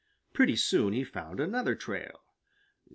Pretty soon he found another trail.